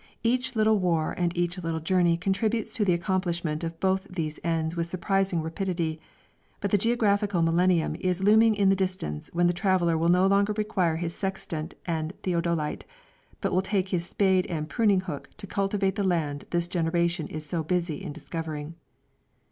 Each little war and each little journey contributes to the accomplishment of both these ends with surprising rapidity, but the geographical millennium is looming in the distance when the traveller will no longer require his sextant and theodolite, but will take his spade and pruning hook to cultivate the land this generation is so busy in discovering.